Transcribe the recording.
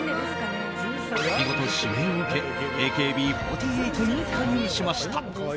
見事、指名を受けＡＫＢ４８に加入しました。